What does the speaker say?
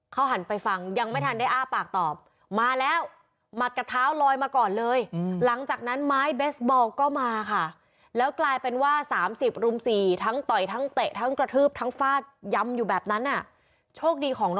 เขาหันไปฟังยังไม่ทันได้อ้าปากตอบมาแล้วหมัดกับเท้าลอยมาก่อนเลยหลังจากนั้นไม้เบสบอลก็มาค่ะแล้วกลายเป็นว่า๓๐รุม๔ทั้งต่อยทั้งเตะทั้งกระทืบทั้งฟาดยำอยู่แบบนั้นอ่ะโชคดีของน้อง